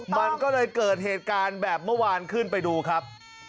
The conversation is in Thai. มันก็เลยเกิดเหตุการณ์แบบเมื่อวานขึ้นไปดูครับ